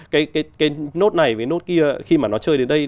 cái note này với cái note kia khi mà nó chơi đến đây